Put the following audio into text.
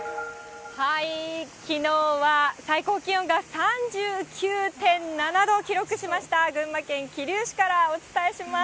きのうは最高気温が３９．７度を記録しました群馬県桐生市からお伝えします。